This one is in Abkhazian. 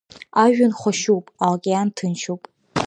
Ажәҩан хәашьуп, аокеан ҭынчуп.